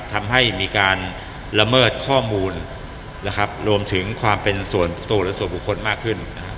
ทำให้มีการละเมิดข้อมูลนะครับรวมถึงความเป็นส่วนตัวหรือส่วนบุคคลมากขึ้น